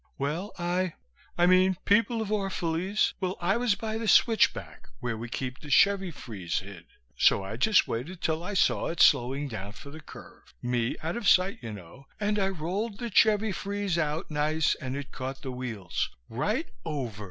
Well, I I mean, people of Orph'lese, well, I was by the switchback where we keep the chevvy freeze hid, so I just waited till I saw it slowing down for the curve me out of sight, you know and I rolled the chevvy freeze out nice and it caught the wheels. Right over!"